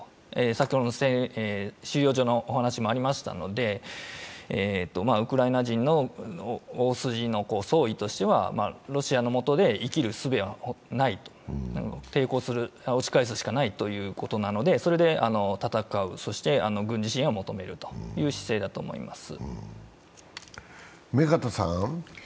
先ほどの収容所のお話もありましたので、ウクライナ人の大筋の総意としては、ロシアの下で生きるすべはないと、押し返すしかないということなのでそれで戦う、そして軍事支援を求めるという姿勢だと思います。